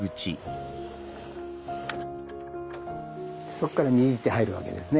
そっからにじって入るわけですね。